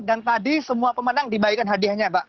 dan tadi semua pemenang dibaikan hadiahnya mbak